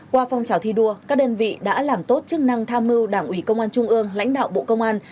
qua phong trào thi đua các đơn vị đã làm tốt chức năng tham mưu đảng ủy công an trung ương lãnh đạo bộ công an